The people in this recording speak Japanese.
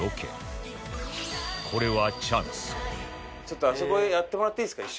ちょっとあそこやってもらっていいですか？